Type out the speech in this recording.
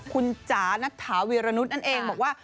คุณจานักภาวีรณุตนั่นเองบอกว่า